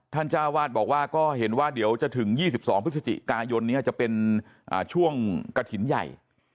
เจ้าวาดบอกว่าก็เห็นว่าเดี๋ยวจะถึง๒๒พฤศจิกายนนี้จะเป็นช่วงกระถิ่นใหญ่